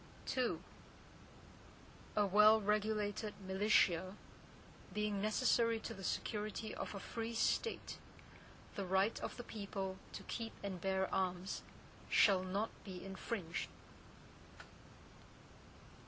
II A well regulated militia, being necessary to the security of a free State, the right of the people to keep and bear arms, shall not be infringed.